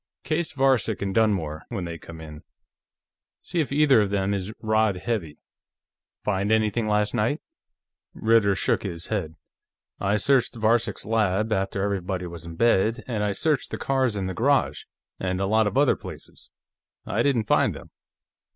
"Case Varcek and Dunmore, when they come in; see if either of them is rod heavy. Find anything, last night?" Ritter shook his head. "I searched Varcek's lab, after everybody was in bed, and I searched the cars in the garage, and a lot of other places. I didn't find them.